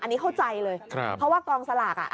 อันนี้เข้าใจเลยเพราะว่ากองสลากอ่ะ